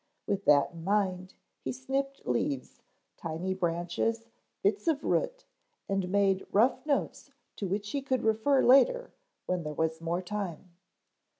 With that in mind he snipped leaves, tiny branches, bits of root, and made rough notes to which he could refer later when there was more time.